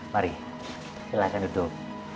mari silakan duduk